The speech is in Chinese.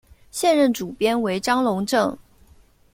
现任主编为张珑正。